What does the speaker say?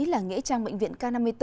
là nghệ trang bệnh viện k năm mươi bốn